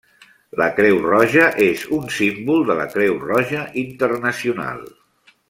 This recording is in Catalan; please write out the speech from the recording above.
La Creu Roja és un símbol de la Creu Roja Internacional.